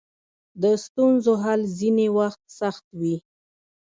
د ستونزو حل ځینې وخت سخت وي.